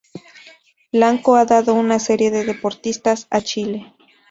Lanco ha dado una serie de deportistas a Chile.